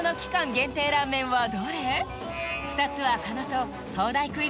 限定ラーメンはどれ？